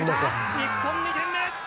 日本２点目！